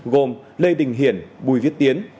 gồm lê đình hiển bùi viết tiến